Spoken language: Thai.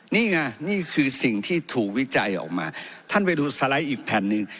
นี่ไงนี่คือสิ่งที่ถูกวิจัยออกมาท่านไปดูสไลด์อีกแผ่นหนึ่ง